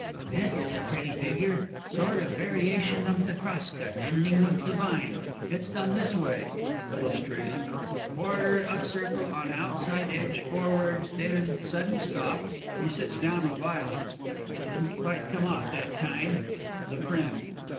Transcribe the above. This is a pretty figure sort of variation of the "Cross Cut," ending up with "The Vine"; it's done this way (illustrating), quarter of circle on outside edge forwards; then sudden stop (He sits down with violence). Didn't quite come off that time! THE FRIEND.